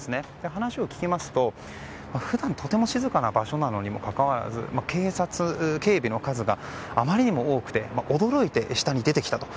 話を聞きますと普段、とても静かな場所なのにもかかわらず警備の数があまりにも多くて驚いて下に出てきたと。